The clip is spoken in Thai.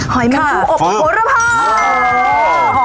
หอยแม่งผู้อบฮอลภา